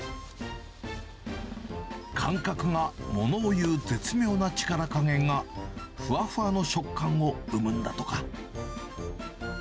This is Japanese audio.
感覚がものをいう絶妙な力加減が、ふわふわの食感を生むんだとか。